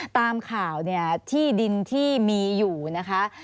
ตามข่าวเนี่ยที่ดินที่มีอยู่นะคะ